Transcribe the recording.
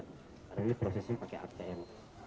karena ini prosesnya pakai atm